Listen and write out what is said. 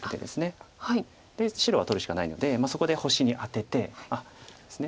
で白は取るしかないのでそこで星にアテて。